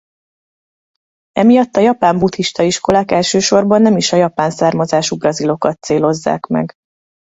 Emiatt a japán buddhista iskolák elsősorban nem is a japán származású brazilokat célozzák meg.